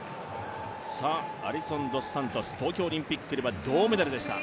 アリソン・ドス・サントス、東京オリンピックでは銅メダルでした。